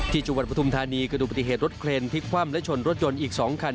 ที่จุภัณฑ์ปฐมธานีเกิดลูกปฏิเหตุรถเคลนพลิกคว่ำและชนรถยนต์อีก๒คัน